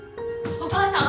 お母さん！